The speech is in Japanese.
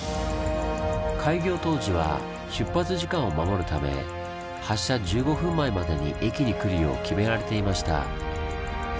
開業当時は出発時間を守るため発車１５分前までに駅に来るよう決められていました。